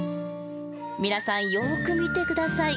皆さんよく見て下さい。